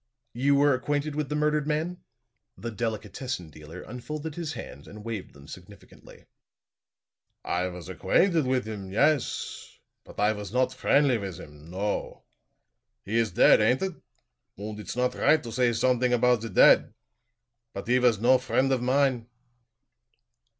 "You were acquainted with the murdered man?" The delicatessen dealer unfolded his hands and waved them significantly. "I was aguainted with him yes. But I was not friendly with him no. He is dead, ain't it? Und it's not right to say someding about the dead. But he was no friend of mine."